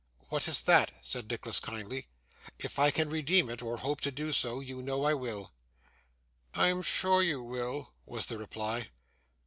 'What is that?' said Nicholas, kindly. 'If I can redeem it, or hope to do so, you know I will.' 'I am sure you will,' was the reply.